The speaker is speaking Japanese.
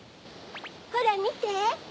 ほらみて！